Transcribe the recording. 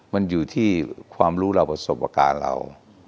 มันอยู่ที่ความรู้เราประสบการณ์เรา